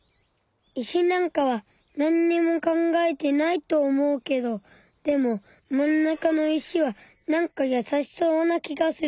石なんかはなんにも考えてないと思うけどでも真ん中の石はなんか優しそうな気がする。